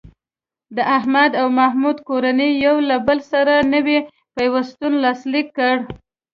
د احمد او محمود کورنۍ یو له بل سره نوی پیوستون لاسلیک کړ.